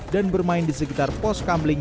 dan bermain di sekitar pos kambling